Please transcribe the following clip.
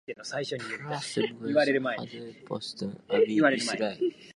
Passave was headquartered in Boston and had a development center in Tel Aviv, Israel.